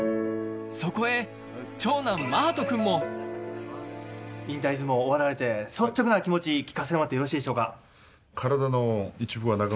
そこへ引退相撲終わられて率直な気持ち聞かせてもらってよろしいでしょうか？